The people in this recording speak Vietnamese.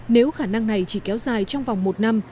nếu khả năng này chỉ kéo dài trong vòng một năm